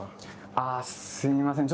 あすみません。